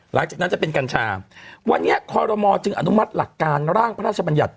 หลังจากนั้นจะเป็นกัญชาวันนี้คอรมอจึงอนุมัติหลักการร่างพระราชบัญญัติ